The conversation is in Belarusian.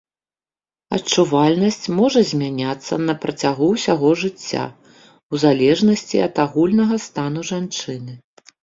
Адчувальнасць можа змяняцца на працягу ўсяго жыцця, у залежнасці ад агульнага стану жанчыны.